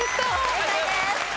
正解です。